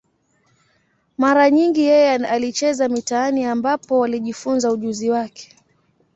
Mara nyingi yeye alicheza mitaani, ambapo alijifunza ujuzi wake.